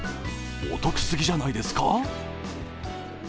お得すぎじゃないですか？